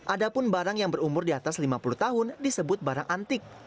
ada pun barang yang berumur di atas lima puluh tahun disebut barang antik